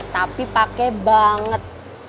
tapi pake banget